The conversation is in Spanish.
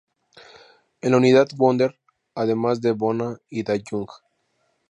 En la unidad Wonder además están Bona y Da Young.